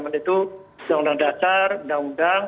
jadi yang ada di undang undang dua belas dua ribu sebelas